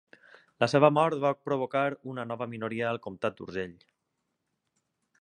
La seva mort va provocar una nova minoria al comtat d'Urgell.